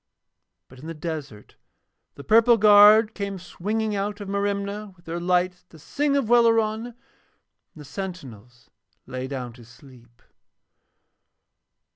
But in the desert the purple guard came swinging out of Merimna with their lights to sing of Welleran, and the sentinels lay down to sleep.